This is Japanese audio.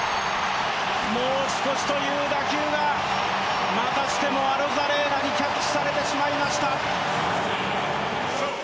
もう少しという打球がまたしてもアロザレーナにキャッチされてしまいました。